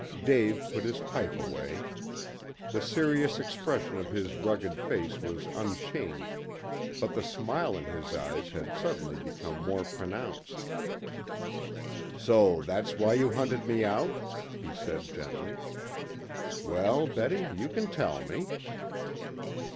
Dave put his pipe away. The serious expression of his rugged face was unchanged, but the smile in his eyes had suddenly become more pronounced. "So that's why you hunted me out?" he said gently. "Well, Betty, you can tell me."